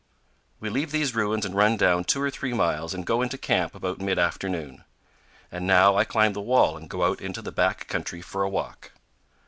We leave these ruins and run down two or three miles and go into camp about mid afternoon. And now I climb the wall and go out into the back country for a walk.